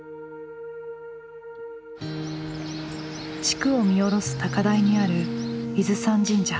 地区を見下ろす高台にある伊豆山神社。